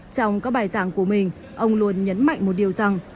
trong các bài giảng của mình ông luôn nhấn mạnh một điều rằng